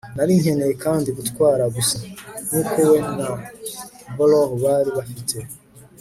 nari nkeneye kandi gutwara gusa, nkuko we na barrow bari bafite